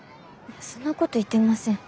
そんなこと言ってません。